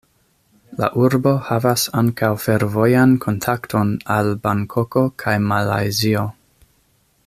La urbo havas ankaŭ fervojan kontakton al Bankoko kaj Malajzio.